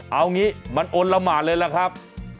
เอางี้มันอลละหมานเลยล่ะครับ